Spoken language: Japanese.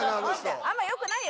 あんま良くないよ